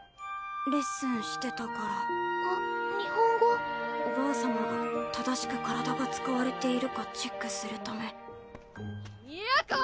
レッスンしてたからおばあ様が正しく体が使われているかチェックするため・都！